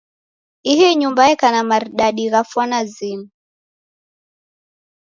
Ihi nyumba yeka na maridadi gha fwana zima.